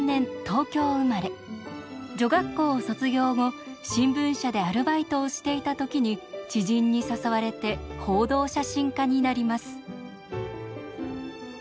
女学校を卒業後新聞社でアルバイトをしていた時に知人に誘われて報道写真家になります。